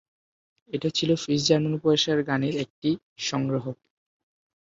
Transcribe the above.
এটি ছিল Swiss German উপভাষার গানের একটি সংগ্রহ।